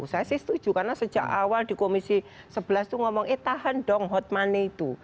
saya sih setuju karena sejak awal di komisi sebelas itu ngomong eh tahan dong hot money itu